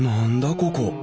ここ。